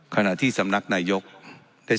ขณะที่สำนักนายกได้๓๒๐๐๐